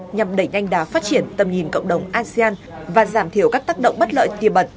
nhằm đẩy nhanh đá phát triển tầm nhìn cộng đồng asean và giảm thiểu các tác động bất lợi tiềm bẩn